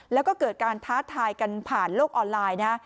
แล้วก็เกิดการท้าทายกันผ่านโลกออนไลน์นะ